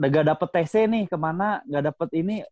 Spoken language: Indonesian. gak dapet tc nih kemana gak dapet ini